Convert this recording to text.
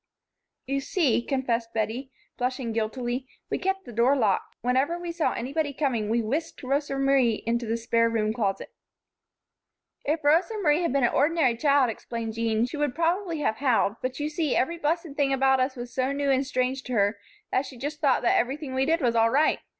"You see," confessed Bettie, flushing guiltily, "we kept the door locked. Whenever we saw anybody coming we whisked Rosa Marie into the spare room closet." "If Rosa Marie had been an ordinary child," explained Jean, "she would probably have howled; but you see, every blessed thing about us was so new and strange to her that she just thought that everything we did was all right.